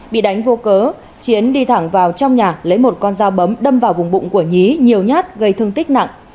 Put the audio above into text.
bị đánh vô cớ chiến đi thẳng vào trong nhà lấy một con dao bấm đâm vào vùng bụng của nhí nhiều nhát gây thương tích nặng